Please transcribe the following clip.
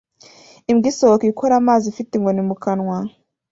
Imbwa isohoka ikora amazi ifite inkoni mu kanwa